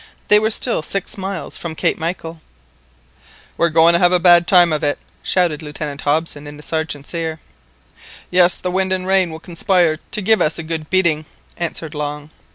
They were still six miles from Cape Michael. "We are going to have a bad time of it," shouted Lieutenant Hobson in the Sergeant's ear. "Yes, the wind and rain will conspire to give us a good beating," answered Long.